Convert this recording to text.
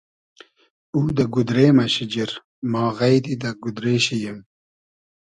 او دۂ گودرې مۂ شیجیر, ما غݷدی دۂ گودرې شی ییم